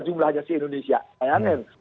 jumlahnya sih indonesia bayangin